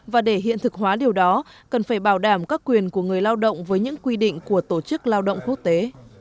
và để hiện thực hóa điều đó cần phải bảo đảm các quyền của người lao động với những quy định của tổ chức lao động quốc tế